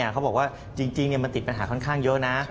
เขาบอกว่าจริงมันติดปัญหาค่อนข้างเยอะนะ